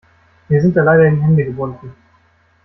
Mir sind da leider die Hände gebunden.